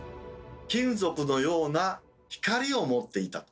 金属のような光を持っていたと。